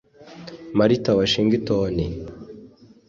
Martha Washington